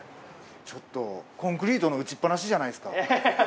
ちょっとコンクリートの打ちっぱなしじゃないですか。